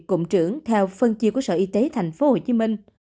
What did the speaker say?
cùng trưởng theo phân chiều của sở y tế tp hcm